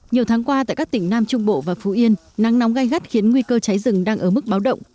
nhiều tháng qua tại các tỉnh nam trung bộ và phú yên nắng nóng gai gắt khiến nguy cơ cháy rừng đang ở mức báo động